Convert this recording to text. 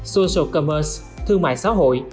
social commerce thương mại xã hội